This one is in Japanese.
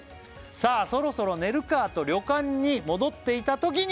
「さあそろそろ寝るかと旅館に戻っていたときに」